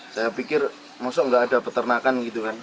saya pikir maksudnya gak ada peternakan gitu kan